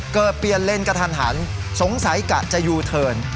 เปลี่ยนเลนกระทันหันสงสัยกะจะยูเทิร์น